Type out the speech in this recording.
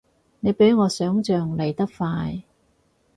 你比我想像嚟得快